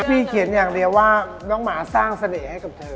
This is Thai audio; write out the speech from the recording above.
พี่เขียนอย่างเดียวว่าน้องหมาสร้างเสน่ห์ให้กับเธอ